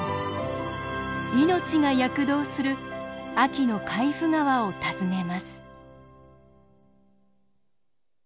命が躍動する秋の海部川を訪ねます。